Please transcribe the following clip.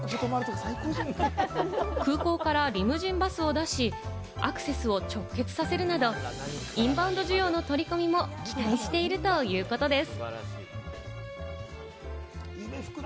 空港からリムジンバスを出し、アクセスを直結させるなど、インバウンド需要の取り込みも期待しているということです。